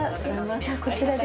じゃあこちらで。